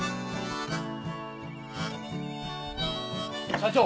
社長！